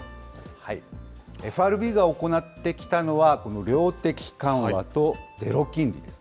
ＦＲＢが行ってきたのは、この量的緩和とゼロ金利です。